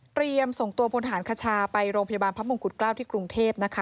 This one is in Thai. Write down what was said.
ส่งตัวพลฐานคชาไปโรงพยาบาลพระมงกุฎเกล้าที่กรุงเทพนะคะ